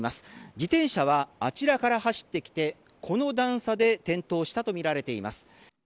自転車はあちらから走ってきてこの段差で転倒したとみられています。